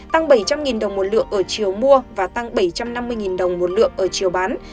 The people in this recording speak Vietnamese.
tăng bảy trăm linh đồng một lượng ở chiều mua và tăng bảy trăm năm mươi đồng một lượng ở chiều bán